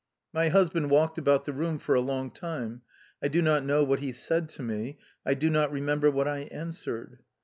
My husband walked about the room for a long time. I do not know what he said to me, I do not remember what I answered...